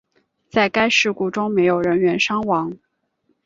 在该事故中没有人员伤亡。